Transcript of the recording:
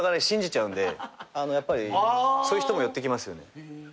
信じちゃうんでやっぱりそういう人も寄ってきますよね。